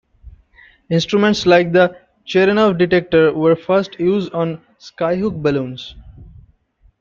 Instruments like the Cherenkov detector were first used on Skyhook balloons.